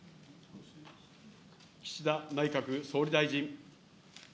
岸田内閣総理大臣。